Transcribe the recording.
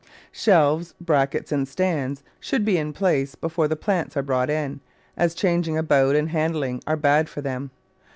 Shelves, brackets, and stands should be in place be fore the plants are brought in, as changing about and handling are bad for them.